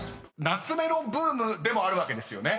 ［懐メロブームでもあるわけですよね］